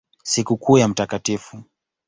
Sikukuu ya Mt.